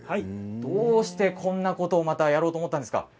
どうしてこんなことをやろうと思ったんですか？